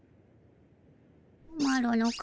マロの顔